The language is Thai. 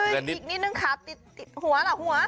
เย้อีกนิดนึงค่ะหัวละหัว